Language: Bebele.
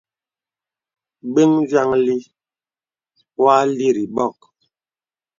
Bəŋ vyàŋli wɔ àlirì bɔ̀k.